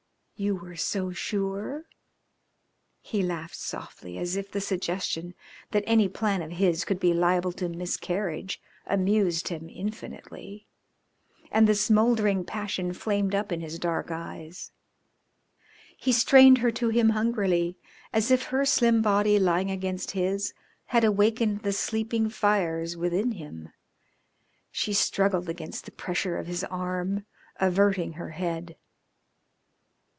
"You were so sure?" He laughed softly, as if the suggestion that any plan of his could be liable to miscarriage amused him infinitely, and the smouldering passion flamed up in his dark eyes. He strained her to him hungrily, as if her slim body lying against his had awakened the sleeping fires within him. She struggled against the pressure of his arm, averting her head.